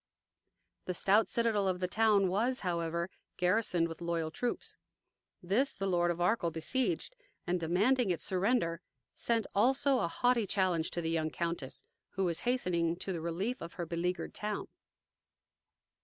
The stout citadel of the town, was, however, garrisoned with loyal troops. This the Lord of Arkell beseiged, and, demanding its surrender, sent also a haughty challenge to the young countess, who was hastening to the relief of her beleaguered town.